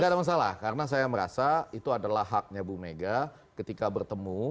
tidak ada masalah karena saya merasa itu adalah haknya bu mega ketika bertemu